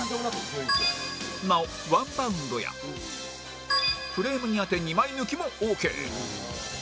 なおワンバウンドやフレームに当て２枚抜きもオーケー